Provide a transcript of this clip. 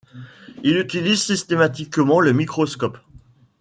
Il utilise systématiquement le microscope.